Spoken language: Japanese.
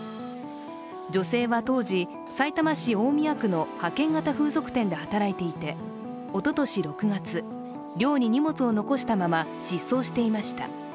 女性は当時、さいたま市大宮区の派遣型風俗店で働いていておととし６月、寮に荷物を残したまま、失踪していました。